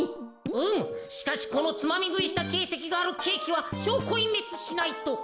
うんしかしこのつまみぐいしたけいせきがあるケーキはしょうこいんめつしないと。